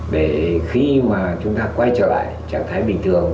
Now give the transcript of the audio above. để khi mà chúng ta quay trở lại trạng thái bình thường